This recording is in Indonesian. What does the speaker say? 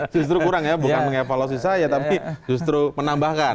justru kurang ya bukan mengevaluasi saya tapi justru menambahkan